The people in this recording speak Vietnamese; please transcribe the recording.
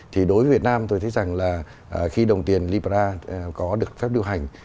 thì đối với việt nam tôi thấy rằng là khi đồng tiền libra có được phép điều hành